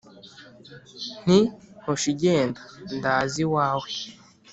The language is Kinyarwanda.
Nti : Hoshi genda ndaza iwawe